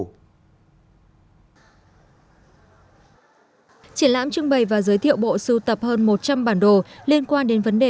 triển lãm trưng bày và giới thiệu bộ sưu tập hơn một trăm linh bản đồ liên quan đến vấn đề